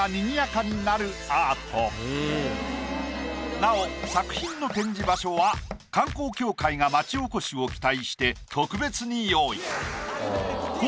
なお作品の展示場所は観光協会が町おこしを期待して特別に用意。